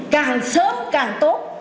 càng sớm càng tốt